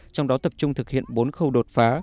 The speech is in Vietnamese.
trong đó tập trung thực hiện bốn khâu đột phá